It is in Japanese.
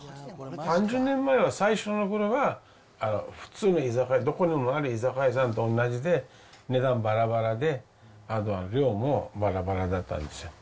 ３０年前は、最初のころは、普通の居酒屋、どこにもある居酒屋さんと同じで、値段ばらばらで、量もばらばらだったんですよ。